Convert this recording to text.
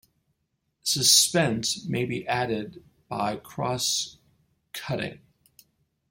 Suspense may be added by cross-cutting.